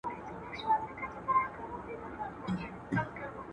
هر څوک باید د حلالې روزۍ لپاره کار وکړي.